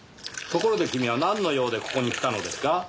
ところで君はなんの用でここに来たのですか？